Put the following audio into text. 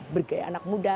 bergaya anak muda